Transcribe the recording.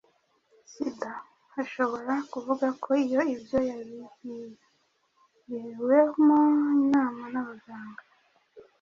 Sida ashobora kuvuga ko iyo ibyo yabigiriwemo inama n abaganga